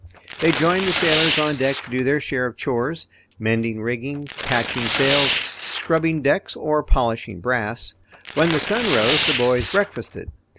They joined the sailors on deck to do their share of chores mending rigging, patching sails, scrubbing decks, or polishing brass. When the sun rose the boys breakfasted.